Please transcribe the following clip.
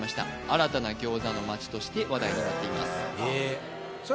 新たな餃子の街として話題になっています